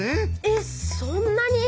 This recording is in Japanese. えっそんなに！？